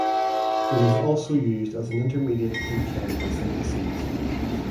It is also used as an intermediate in chemical syntheses.